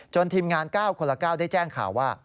ทีมงาน๙คนละ๙ได้แจ้งข่าวว่า